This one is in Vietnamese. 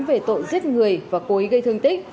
về tội giết người và cố ý gây thương tích